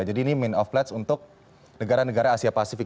jadi ini mean of pledge untuk negara negara asia pasifik